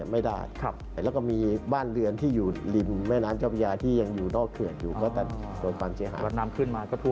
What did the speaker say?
ไม่ได้แล้วก็มีบ้านเรือนที่อยู่ริมแม่น้ำเจ้าพระยาที่ยังอยู่นอกเขื่อนอยู่ก็จะโดนความเสียหาย